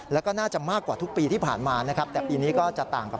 แล้วก็น่าจะมากกว่าทุกปีที่ผ่านมานะครับแต่ปีนี้ก็จะต่างกับ